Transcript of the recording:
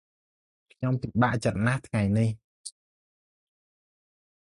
ខ្ញុំពិបាកចិត្តណាស់ថ្ងៃនេះ។